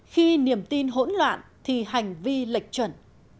khi niềm tin hỗn loạn thì hành vi lệch chuẩn